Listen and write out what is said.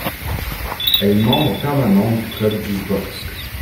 Elle est membre permanent du club d'Izborsk.